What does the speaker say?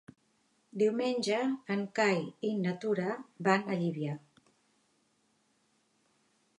Diumenge en Cai i na Tura van a Llívia.